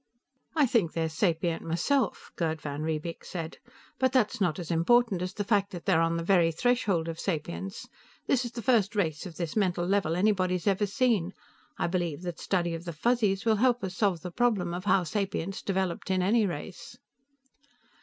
"I think they're sapient, myself," Gerd van Riebeek said, "but that's not as important as the fact that they're on the very threshold of sapience. This is the first race of this mental level anybody's ever seen. I believe that study of the Fuzzies will help us solve the problem of how sapience developed in any race."